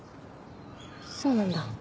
そうなんだ。